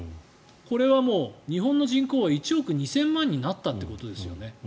これはもう、日本の人口は１億２０００万になったということですね。